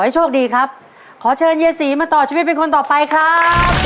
โชคดีครับขอเชิญยายศรีมาต่อชีวิตเป็นคนต่อไปครับ